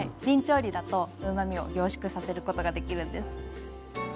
びん調理だとうまみを凝縮させることができるんです。